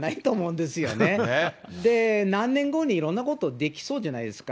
で、何年後にいろんなことできそうじゃないですか。